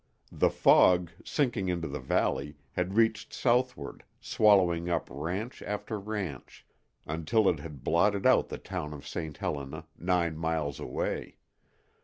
The fog, sinking into the valley, had reached southward, swallowing up ranch after ranch, until it had blotted out the town of St. Helena, nine miles away.